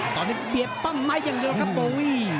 ตอนนี้เบียดปั้งไม้อย่างเดียวครับโบวี่